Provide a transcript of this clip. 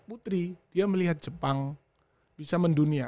putri dia melihat jepang bisa mendunia